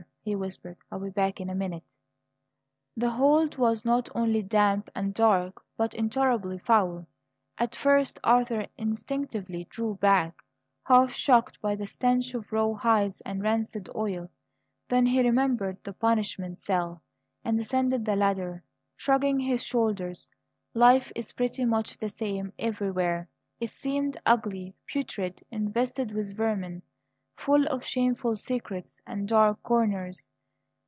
he whispered. "I'll be back in a minute." The hold was not only damp and dark, but intolerably foul. At first Arthur instinctively drew back, half choked by the stench of raw hides and rancid oil. Then he remembered the "punishment cell," and descended the ladder, shrugging his shoulders. Life is pretty much the same everywhere, it seemed; ugly, putrid, infested with vermin, full of shameful secrets and dark corners.